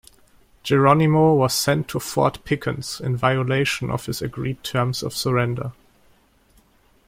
Geronimo was sent to Fort Pickens, in violation of his agreed terms of surrender.